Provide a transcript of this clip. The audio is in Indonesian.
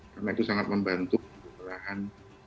karena itu sangat membantu perlahan